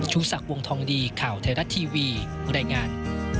ชูศักดิ์วงทองดีข่าวไทยรัฐทีวีรายงาน